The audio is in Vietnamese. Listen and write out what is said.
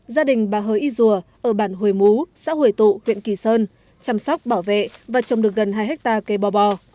gia đình bà hới y dùa ở bản huế mú xã huế tụ huyện kỳ sơn chăm sóc bảo vệ và trồng được gần hai hectare cây bò bò